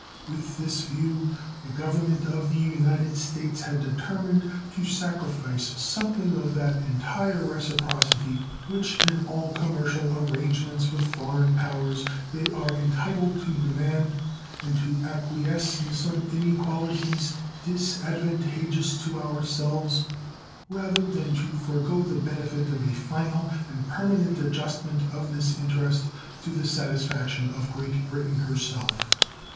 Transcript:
With this view the Government of the United States had determined to sacrifice something of that entire reciprocity which in all commercial arrangements with foreign powers they are entitled to demand, and to acquiesce in some inequalities disadvantageous to ourselves rather than to forego the benefit of a final and permanent adjustment of this interest to the satisfaction of Great Britain herself.